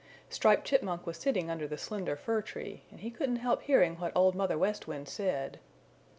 Striped Chipmunk was sitting under the Slender Fir Tree and he couldn't help hearing what Old Mother West Wind said.